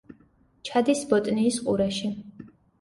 ჩადის ბოტნიის ყურეში.